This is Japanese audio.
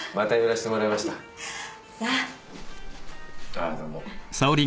ああどうも。